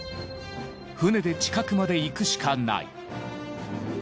船で近くまで行くしかない。